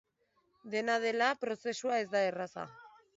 Dena dela, prozesua ez da erraza.